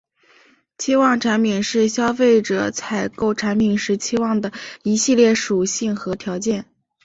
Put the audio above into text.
期望产品是消费者采购产品时期望的一系列属性和条件。